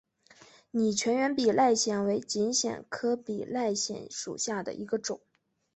拟全缘比赖藓为锦藓科比赖藓属下的一个种。